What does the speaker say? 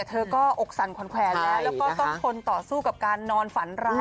แล้วก็ต้องคลุนต่อสู้กับการนอนฝันร้าย